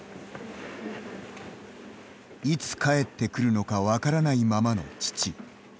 いつ帰ってくるのか分からないままの父。